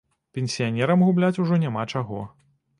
Пенсіянерам губляць ужо няма чаго.